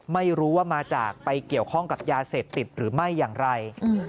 ไม่รู้ว่ามาจากไปเกี่ยวข้องกับยาเสพติดหรือไม่อย่างไร